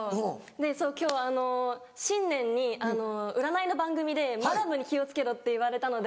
そう今日新年に占いの番組でマダムに気を付けろって言われたので。